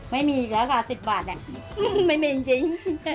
ไม่มีราคา๑๐บาทไม่มีจริง